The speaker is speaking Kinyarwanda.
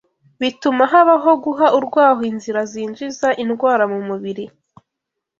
bituma habaho guha urwaho inzira zinjiza indwara mu mubiri